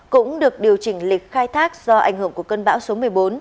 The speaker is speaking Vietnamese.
cũng được điều chỉnh lịch khai thác do ảnh hưởng của cơn bão số một mươi bốn